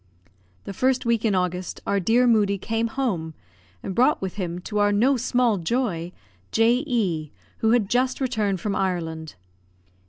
The first week in August our dear Moodie came home, and brought with him, to our no small joy, J. E , who had just returned from Ireland.